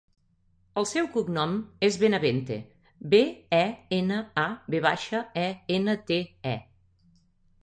El seu cognom és Benavente: be, e, ena, a, ve baixa, e, ena, te, e.